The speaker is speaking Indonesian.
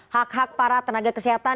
hak hak para tenaga kesehatan